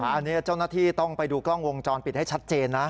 อันนี้เจ้าหน้าที่ต้องไปดูกล้องวงจรปิดให้ชัดเจนนะ